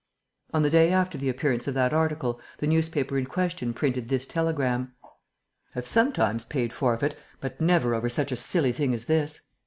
On the day after the appearance of that article, the newspaper in question printed this telegram: "Have sometimes paid forfeit, but never over such a silly thing as this.